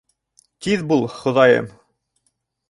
Тиҙ бул, Хоҙайым!